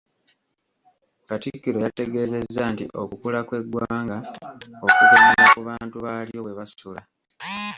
Katikkiro yategeezezza nti okukula kw’eggwanga okupimira ku bantu baalyo bwe basula.